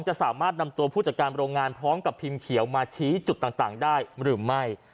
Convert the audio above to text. จะสามารถนำตัวผู้จัดการโรงงานพร้อมกับพิมพ์เขียวมาชี้จุดต่างได้หรือไม่